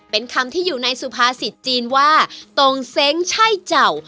เป็นคำที่อยู่ในสุภาษิตจีนว่าตรงเซ้งใช่เจ้า